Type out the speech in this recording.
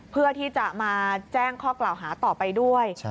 เพื่อที่จะมาแจ้งข้อกล่าวหาต่อไปด้วย